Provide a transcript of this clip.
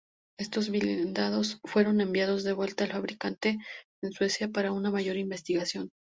Estos blindados fueron enviados de vuelta al fabricante en Suecia para una mayor investigación.